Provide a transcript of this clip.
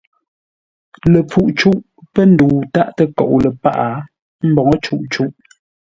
Ləpfuʼ cûʼ pə́ ndəu tâʼ təkoʼ ləpâʼ, ə́ mboŋə́ cûʼ cûʼ.